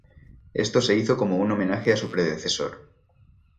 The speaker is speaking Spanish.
Esto se hizo como un homenaje a su predecesor.